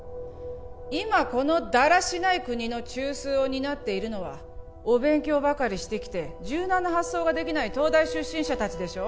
今このだらしない国の中枢を担っているのはお勉強ばかりしてきて柔軟な発想ができない東大出身者達でしょ